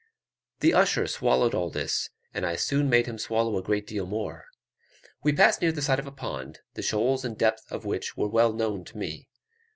The usher swallowed all this, and I soon made him swallow a great deal more. We passed near the side of a pond, the shoals and depths of which were well known to me.